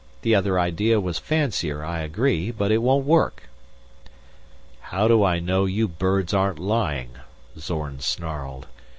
The other idea was fancier, I agree, but it won't work." "How do I know you birds aren't lying?" Zorn snarled.